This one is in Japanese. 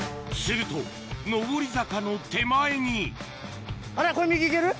すると上り坂の手前にあらこれ。